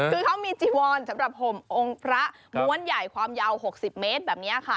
คือเขามีจีวอนสำหรับห่มองค์พระม้วนใหญ่ความยาว๖๐เมตรแบบนี้ค่ะ